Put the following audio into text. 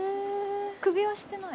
首輪してない。